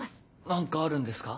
何かあるんですか？